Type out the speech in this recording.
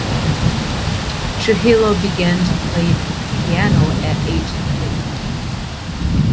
Trujillo began to play piano at age three.